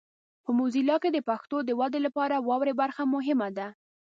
په موزیلا کې د پښتو د ودې لپاره واورئ برخه مهمه ده.